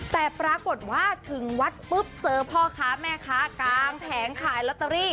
แต่ปรากฏว่าถึงวัดปุ๊บเจอพ่อค้าแม่ค้ากางแผงขายลอตเตอรี่